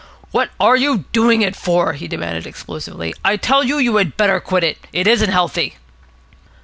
"What are you doing it for?" he demanded explosively. "I tell you, you had better quit it. It isn't healthy."